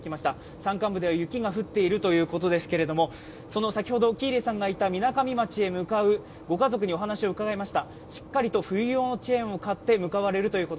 山間部では雪が降っているということですけれども、先ほど喜入さんがいたみなかみ町へ向かうご家族にお話を伺いました。